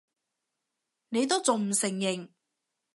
你都仲唔承認！